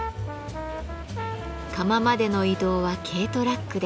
窯までの移動は軽トラックで。